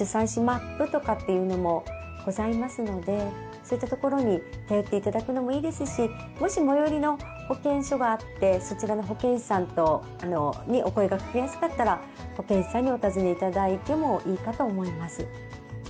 そういった所に頼って頂くのもいいですしもし最寄りの保健所があってそちらの保健師さんにお声かけやすかったら保健師さんにお尋ね頂いてもいいかと思います。